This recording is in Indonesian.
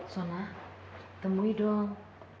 sona temui dong